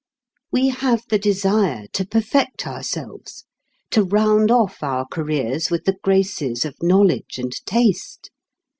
We have the desire to perfect ourselves, to round off our careers with the graces of knowledge and taste.